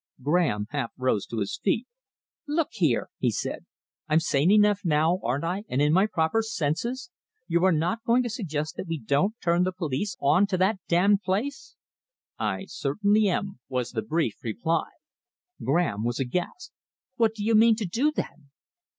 Graham half rose to his feet. "Look here," he said, "I'm sane enough now, aren't I, and in my proper senses? You are not going to suggest that we don't turn the police on to that damned place?" "I certainly am," was the brief reply. Graham was aghast. "What do you mean to do, then?"